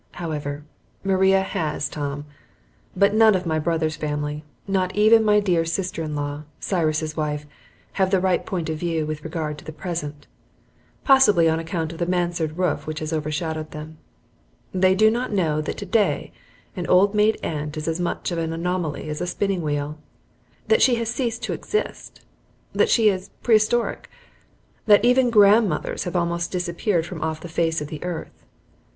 However, Maria HAS Tom. But none of my brother's family, not even my dear sister in law, Cyrus's wife, have the right point of view with regard to the present, possibly on account of the mansard roof which has overshadowed them. They do not know that today an old maid aunt is as much of an anomaly as a spinning wheel, that she has ceased to exist, that she is prehistoric, that even grandmothers have almost disappeared from off the face of the earth.